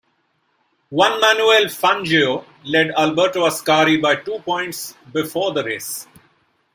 Juan Manuel Fangio led Alberto Ascari by two points before the race.